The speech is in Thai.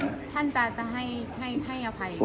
ท่านจะให้อภัย